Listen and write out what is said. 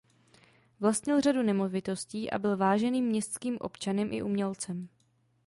Vlastnil řadu nemovitostí a byl váženým městským občanem i umělcem.